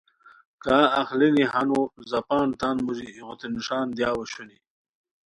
کا اخلینی ہانو زاپان تان موژی ایغوتین نݰان دیاؤ اوشونی